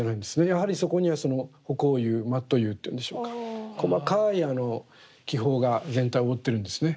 やはりそこには葆光釉マット釉というんでしょうか細かい気泡が全体を覆ってるんですね。